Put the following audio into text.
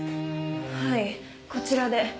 はいこちらで。